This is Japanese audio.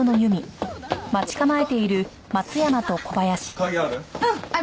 鍵ある？